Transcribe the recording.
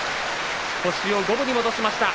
星を五分に戻しました。